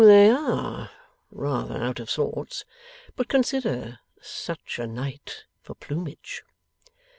They ARE rather out of sorts. But consider. Such a night for plumage!